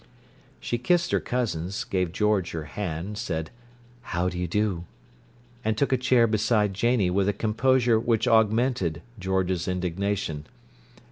She kissed her cousins, gave George her hand, said "How d'you do," and took a chair beside Janie with a composure which augmented George's indignation.